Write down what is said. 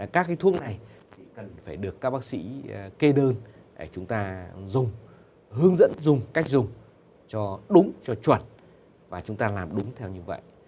các thuốc này cần phải được các bác sĩ kê đơn để chúng ta dùng hướng dẫn dùng cách dùng cho đúng cho chuẩn và chúng ta làm đúng theo như vậy